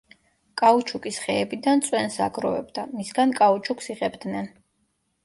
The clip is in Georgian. კაუჩუკის ხეებიდან წვენს აგროვებდა მისგან კაუჩუკს იღებდნენ.